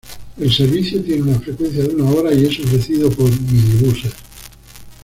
El servicio tiene una frecuencia de una hora y es ofrecido por minibuses.